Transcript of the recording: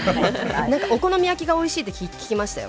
お好み焼きがおいしいって聞きましたよ。